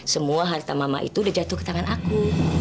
semua harta mama itu udah jatuh ke tangan aku